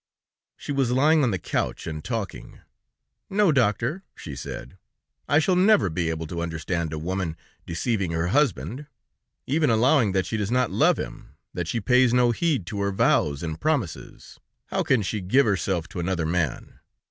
She was lying on the couch and talking. "No, doctor," she said; "I shall never be able to understand a woman deceiving her husband. Even allowing that she does not love him, that she pays no heed to her vows and promises, how can she give herself to another man?